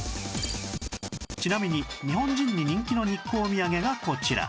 ちなみに日本人に人気の日光みやげがこちら